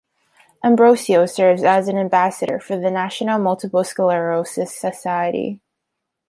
Ambrosio serves as an ambassador for the National Multiple Sclerosis Society.